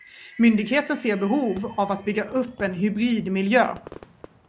Myndigheten ser behov av att bygga upp en hybridmiljö.